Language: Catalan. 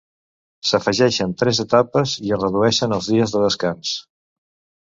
S'afegeixen tres etapes i es redueixen els dies de descans.